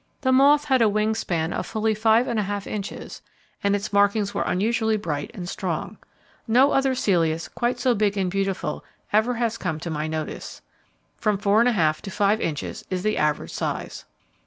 The moth had a wing sweep of fully five and a half inches, and its markings were unusually bright and strong. No other Celeus quite so big and beautiful ever has come to my notice. From four and a half to five inches is the average size.